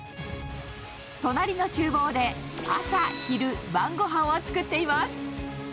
隣のちゅう房で朝、昼、晩ごはんを作っています。